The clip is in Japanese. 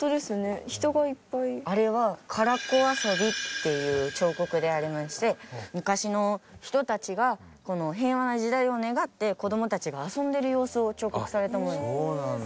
あれは唐子遊びっていう彫刻でありまして昔の人たちが平和な時代を願って子どもたちが遊んでいる様子を彫刻されたものです。